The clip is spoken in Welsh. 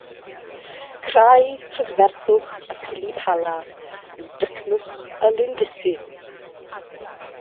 Craidd prydferthwch y pili-pala yw dycnwch y lindysyn